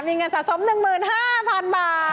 มีเงินสะสม๑๕๐๐๐บาท